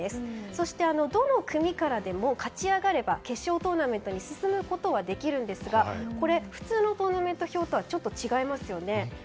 そして、どの組からでも勝ち上がれば決勝トーナメントに進むことはできるんですが普通のトーナメント表とはちょっと違いますよね。